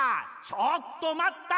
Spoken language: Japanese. ちょっとまった！